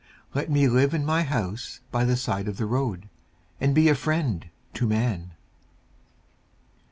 Let me live in my house by the side of the road And be a friend to man.